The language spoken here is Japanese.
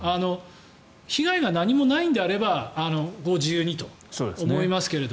被害が何もないのであればご自由にと思いますけど。